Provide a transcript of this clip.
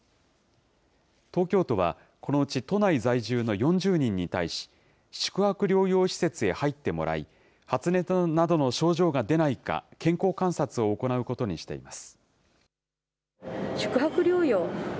東京都は、このうち都内在住の４０人に対し、宿泊療養施設へ入ってもらい、発熱などの症状が出ないか、健康観察を行うことにしています。